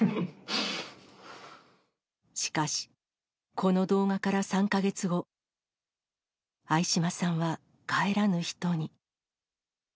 しかし、この動画から３か月後、相嶋さんは帰らぬ人に。